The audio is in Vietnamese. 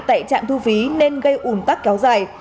tại trạm thu phí nên gây ủn tắc kéo dài